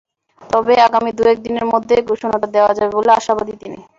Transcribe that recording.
তবে আগামী দু-এক দিনের মধ্যেই ঘোষণাটা দেওয়া যাবে বলে আশাবাদী তিনি।